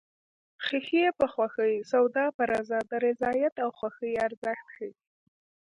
خیښي په خوښي سودا په رضا د رضایت او خوښۍ ارزښت ښيي